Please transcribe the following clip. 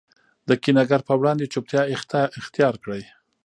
د کینه ګر په وړاندي چوپتیا اختیارکړئ!